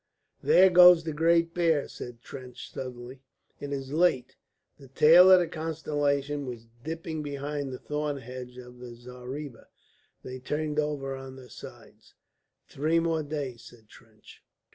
"There goes the Great Bear," said Trench, suddenly. "It is late." The tail of the constellation was dipping behind the thorn hedge of the zareeba. They turned over on their sides. "Three more days," said Trench.